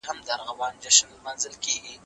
ملا په پردو راوړو څنګه وتړمه